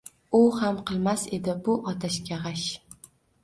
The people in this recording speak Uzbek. U ham qilmas edi bu otashga g’ash.